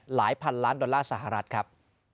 พันล้านดอลลาร์สหรัฐครับ